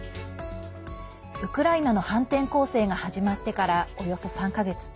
ウクライナの反転攻勢が始まってから、およそ３か月。